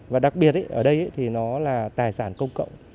và đặc biệt ở đây thì nó là tài sản công cộng